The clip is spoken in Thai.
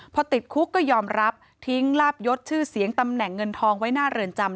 พอติดคุกก็ยอมรับทิ้งลาบยศชื่อเสียงตำแหน่งเงินทองไว้หน้าเรือนจำ